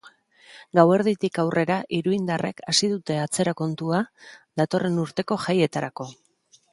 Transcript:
Gauerditik aurrera, iruindarrek hasi dute atzera kontua datorren urteko jaietarako.